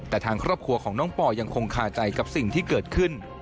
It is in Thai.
แต่ทางครอบครัวของน้องปอยังคงคาใจกับสิ่งที่เกิดขึ้น